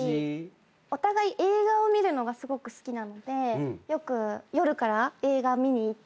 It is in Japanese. お互い映画を見るのがすごく好きなのでよく夜から映画見に行ったりとか。